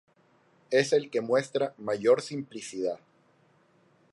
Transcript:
Es el que muestra mayor simplicidad.